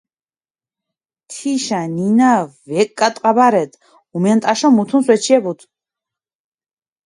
თიშა ნინა ვეკგატყაბარედჷ, უმენტაშო მუთუნს ვეჩიებუდჷ.